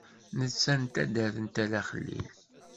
Netta n taddart n Tala Xlil.